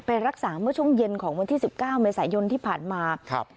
ไปรักษาเมื่อช่วงเย็นของวันที่๑๙เมษายนที่ผ่านมาครับ